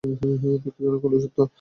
দুঃখজনক হলেও সত্য!